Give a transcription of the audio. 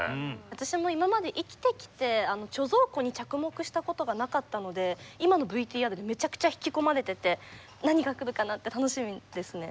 私も今まで生きてきて貯蔵庫に着目したことがなかったので今のＶＴＲでめちゃくちゃ引き込まれてて何が来るかなって楽しみですね。